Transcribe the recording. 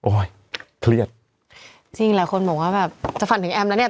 เครียดจริงหลายคนบอกว่าแบบจะฝันถึงแอมแล้วเนี่ย